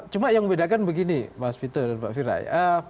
cuma yang membedakan begini mas fitur dan pak firai